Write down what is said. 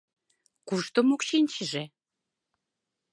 — Кушто мокшинчыже?